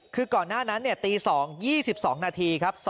คือก่อนหน้านั้นตี๒๒นาทีครับ